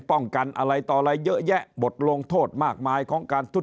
ป้องกันอะไรต่ออะไรเยอะแยะบทลงโทษมากมายของการทุด